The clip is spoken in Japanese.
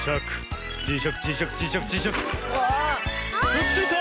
くっついた！